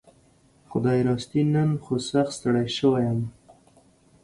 خدايي راستي نن خو سخت ستړى شوي يم